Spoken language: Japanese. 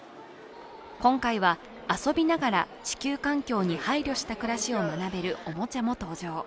今回は、遊びながら地球環境に配慮した暮らしを学べるおもちゃも登場。